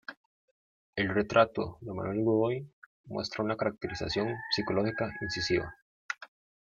El "Retrato de Manuel Godoy" muestra una caracterización psicológica incisiva.